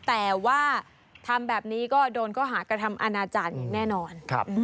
แต่ว่าทำแบบนี้ก็โดนข้อหากระทำอาณาจารย์อย่างแน่นอน